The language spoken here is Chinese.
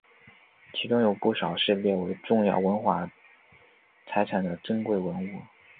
其中有不少是列为重要文化财产的珍贵文物。